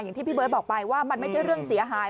อย่างที่พี่เบิร์ตบอกไปว่ามันไม่ใช่เรื่องเสียหาย